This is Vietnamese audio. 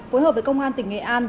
phối hợp với công an tỉnh nghệ an